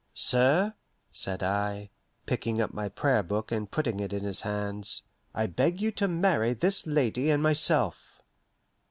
"Sir," said I, picking up my Prayer Book and putting it in his hands, "I beg you to marry this lady and myself."